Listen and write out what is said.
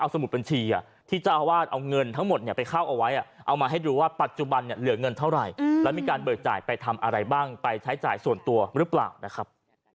ส่วนตัวหรือเปล่านะครับ